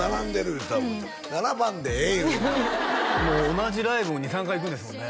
言うてた並ばんでええいやいやいやもう同じライブを２３回行くんですもんね